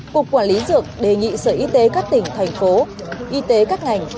cục quản lý dược đề nghị sở y tế các tỉnh thành phố y tế các ngành